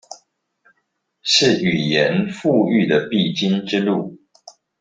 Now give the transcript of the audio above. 是語言復育的必經之路